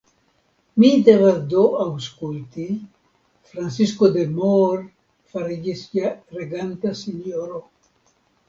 Mi devas do aŭskulti, Francisko de Moor fariĝis ja reganta sinjoro.